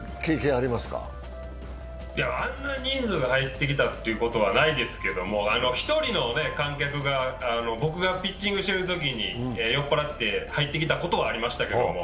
あんな人数が入ってきたということはないんですけど、１人の観客が、僕がピッチングしているときに酔っぱらって入ってきたことはありましたけども。